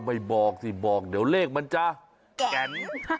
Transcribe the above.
บอกสิบอกเดี๋ยวเลขมันจะแก่น